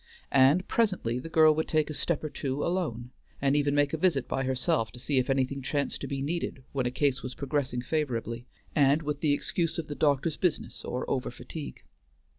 And presently the girl would take a step or two alone, and even make a visit by herself to see if anything chanced to be needed when a case was progressing favorably, and with the excuse of the doctor's business or over fatigue.